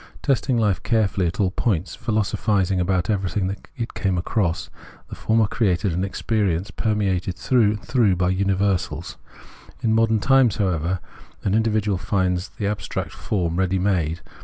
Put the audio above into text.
Testing hfe carefully at all points, philosophising about everything it came across, the former created an experience permeated through and through by universals. In modern times, however, an individual finds the abstract form ready made.